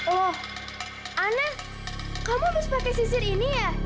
oh ana kamu harus pakai sisir ini ya